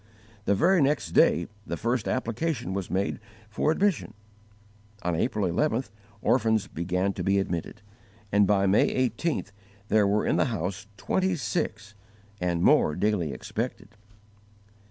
The very next day the first application was made for admission; on April 11th orphans began to be admitted; and by May 18th there were in the house twenty six, and more daily expected.